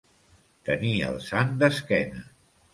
Tenir el sant d'esquena.